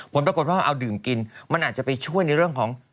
ผลปรากฏว่าเอาดื่มกินมันอาจจะไปช่วยในเรื่องของ